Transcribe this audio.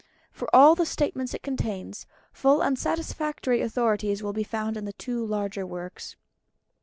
For all the statements it contains, full and satisfactory authorities will be found in the two larger works.